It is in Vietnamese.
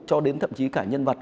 cho đến thậm chí cả nhân vật